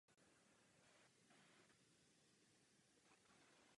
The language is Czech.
Pro dětské časopisy napsal desítky dobrodružných povídek.